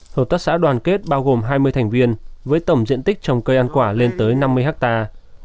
hợp tác xã đoàn kết bao gồm hai mươi thành viên với tổng diện tích trồng cây ăn quả lên tới năm mươi hectare